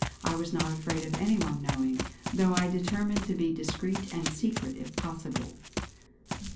I was not afraid of any one knowing, though I determined to be discreet and secret if possible.